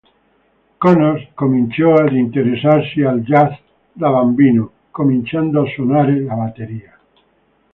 Connors cominciò ad interessarsi al jazz da bambino cominciando a suonare la batteria.